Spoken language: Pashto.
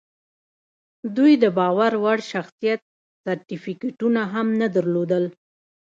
دوی د باور وړ شخصیت سرټیفیکټونه هم نه درلودل